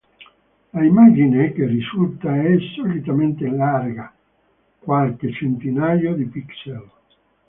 L'immagine che risulta è solitamente larga qualche centinaio di pixel.